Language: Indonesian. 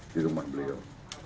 di rumah beliau